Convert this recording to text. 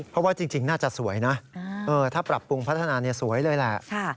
เพราะว่าจริงน่าจะสวยนะถ้าปรับปรุงพัฒนาสวยเลยแหละ